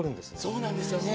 そうなんですよね。